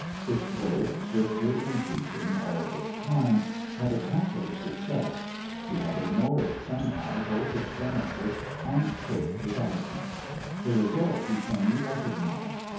Its growth, swiftly increasing all this time, had accomplished itself; he had ignored, somehow, both its genesis and quick development; the result he plainly recognised.